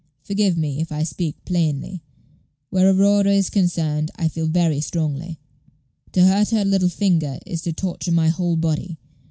Forgive me if I speak plainly. Where Aurora is concerned, I feel very strongly. To hurt her little finger is to torture my whole body.